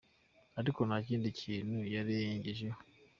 ’ Ariko nta kindi kintu yarengejeho.